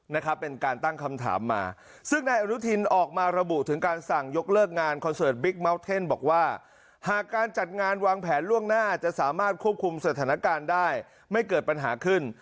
นะครับเป็นการตั้งคำถามมาซึ่งนายอนุทินออกมาระบุถึงการสั่งยกเลิกงานคอนเสิร์ตบิ๊กเมาสเทนบอกว่าหากการจัดงานวางแผนล่วงหน้าจะสามารถควบคุมสถานการณ์ได้ไม่เกิดปัญหาขึ้น